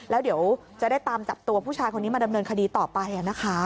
แล้วเดี๋ยวจะได้ตามจับตัวผู้ชายคนนี้มาดำเนินคดีต่อไปนะคะ